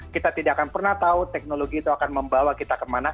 kita tidak akan pernah tahu teknologi itu akan membawa kita kemana